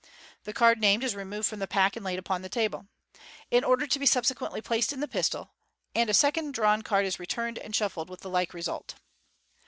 The card named is removed from the pack and laid upon the table, in order to be subsequently placed in the pistol, and a second drawn card is returned and shuffled with the like result.